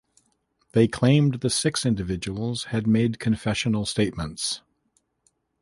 They claimed the six individuals had made confessional statements.